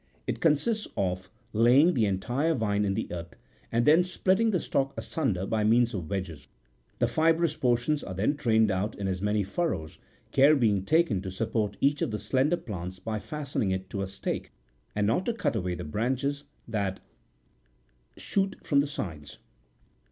It consists of laying the entire vine in the earth, and then splitting the stock asunder by means of wedges ; the fibrous portions are then trained out in as many furrows, care being taken to support each of the slender plants by fastening it to a stake, and not to cut away the branches that shoot from the sides.